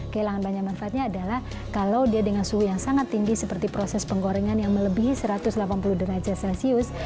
kehilangan banyak manfaatnya adalah kalau dia dengan suhu yang sangat tinggi seperti proses penggorengan yang melebihi satu ratus delapan puluh derajat celcius